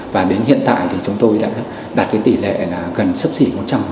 và đến hiện tại thì chúng tôi đã đạt tỷ lệ gần sấp xỉ một trăm linh